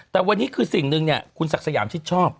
แต่วันนี้คือสิ่งนึงคุณศักดิ์สยามที่ชอบ